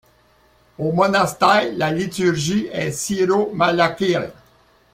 Au monastère la liturgie est syro-malankare.